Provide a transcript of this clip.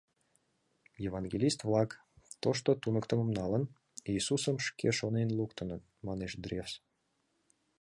Евангелист-влак, тошто туныктымым налын, Иисусым шке шонен луктыныт, манеш Древс.